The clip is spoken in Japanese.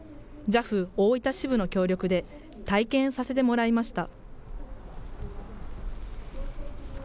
ＪＡＦ大分支部の協力で、体験させてもらいました。